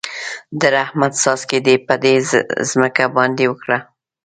د رحمت څاڅکي دې په دې ځمکه باندې وکره.